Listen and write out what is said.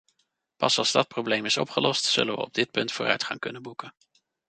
Pas als dat probleem is opgelost, zullen we op dit punt vooruitgang kunnen boeken.